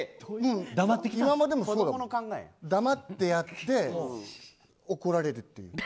黙ってやって怒られるっていう。